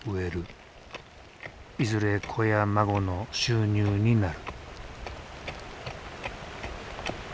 いずれ子や孫の収入になる。